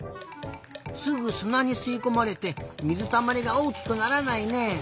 すぐすなにすいこまれて水たまりがおおきくならないね。